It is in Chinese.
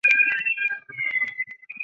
穆勒在这里上小学和中学。